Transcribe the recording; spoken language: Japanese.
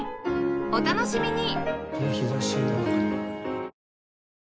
お楽しみに！